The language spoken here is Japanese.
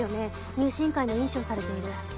入試委員会の委員長をされている。